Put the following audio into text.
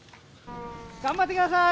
頑張ってください